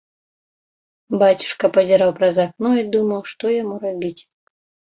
Бацюшка пазіраў праз акно і думаў, што яму рабіць.